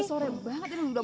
udah sore banget ini udah